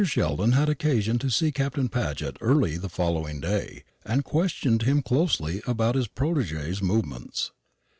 Sheldon had occasion to see Captain Paget early the following day, and questioned him closely about his protégé's movements.